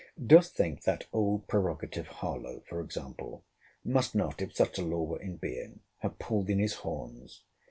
Dost think, that old prerogative Harlowe, for example, must not, if such a law were in being, have pulled in his horns?